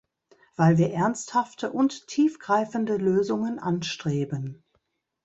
Weil wir ernsthafte und tiefgreifende Lösungen anstreben.